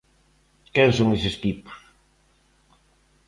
Quen son estes tipos?